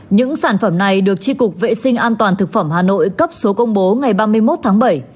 những sản phẩm này được tri cục vệ sinh an toàn thực phẩm hà nội cấp số công bố ngày ba mươi một tháng bảy